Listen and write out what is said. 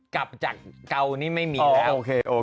กลับจากเกานี่ไม่มีแล้ว